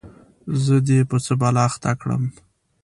زه دي په څه بلا اخته کړم ؟